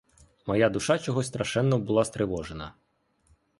Моя душа чогось страшенно була стривожена.